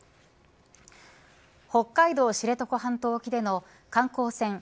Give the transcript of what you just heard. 北海道知床半島沖での観光船